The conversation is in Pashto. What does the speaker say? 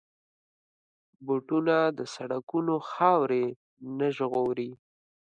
بوټونه د سړکونو خاورې نه ژغوري.